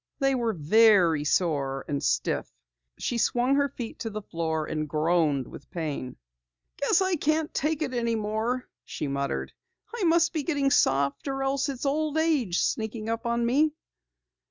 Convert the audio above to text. They were very sore and stiff. She swung her feet to the floor and groaned with pain. "Guess I can't take it any more," she muttered. "I must be getting soft, or else it's old age sneaking up on me!"